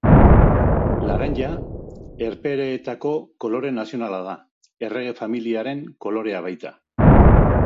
Laranja Herbehereetako kolore nazionala da, errege familiaren kolorea baita.